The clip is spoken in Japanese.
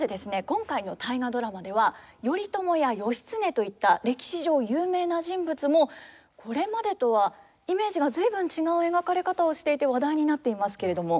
今回の「大河ドラマ」では頼朝や義経といった歴史上有名な人物もこれまでとはイメージが随分違う描かれ方をしていて話題になっていますけれども。